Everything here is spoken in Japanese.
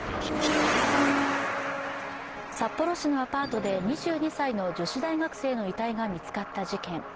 札幌市のアパートで２２歳の女子大学生の遺体が見つかった事件。